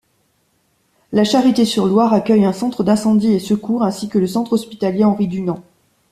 La Charité-sur-Loire accueille un centre d'incendie et secours, ainsi que le centre hospitalier Henri-Dunant.